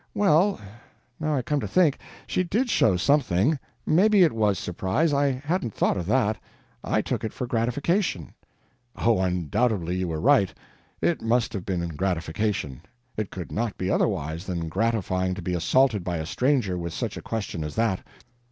"Well, now I come to think, she did show something; maybe it was surprise; I hadn't thought of that I took it for gratification." "Oh, undoubtedly you were right; it must have been gratification; it could not be otherwise than gratifying to be assaulted by a stranger with such a question as that.